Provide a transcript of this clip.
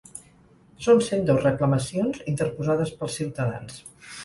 Són cent dos reclamacions interposades pels ciutadans.